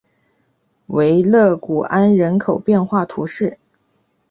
维勒古安人口变化图示